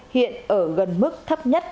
hiện ở gần mức thấp nhất